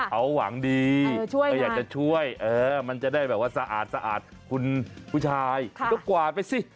เอาหวังดีเขาอยากจะช่วยมันจะได้สะอาดผู้ชายก็กวาดไปสิ